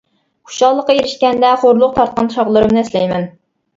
خۇشاللىققا ئېرىشكەندە، خورلۇق تارتقان چاغلىرىمنى ئەسلەيمەن.